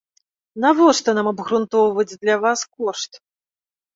Навошта нам абгрунтоўваць для вас кошт?